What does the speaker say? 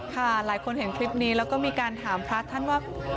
หลายคนเห็นคลิปนี้แล้วก็มีการถามพระท่านว่า